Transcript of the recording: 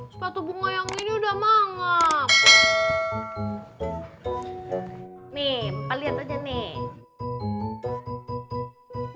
sepatu bunga yang ini udah mangap